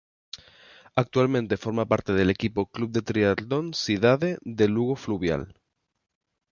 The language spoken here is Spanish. Actualmente forma parte del equipo Club de Triatlón Cidade de Lugo Fluvial.